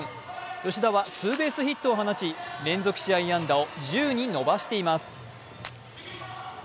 吉田はツーベースヒットを放ち連続試合安打を１０に伸ばしています。